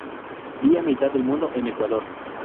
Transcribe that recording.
Vía Mitad del Mundo en Ecuador.